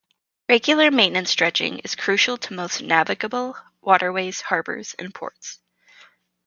Regular maintenance dredging is crucial to most navigable waterways, harbors, and ports.